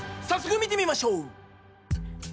早速見てみましょう！